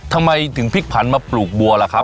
ทำไมถึงพลิกผันมาปลูกบัวล่ะครับ